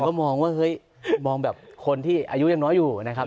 ก็มองว่าเฮ้ยมองแบบคนที่อายุยังน้อยอยู่นะครับ